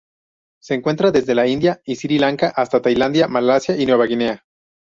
Se encuentra desde la India y Sri Lanka hasta Tailandia, Malasia y Nueva Guinea.